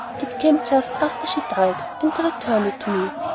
It came just after she died, and they returned it to me.